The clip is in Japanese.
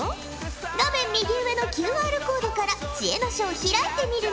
画面右上のＱＲコードから知恵の書を開いてみるのじゃ！